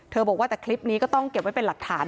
บอกว่าแต่คลิปนี้ก็ต้องเก็บไว้เป็นหลักฐาน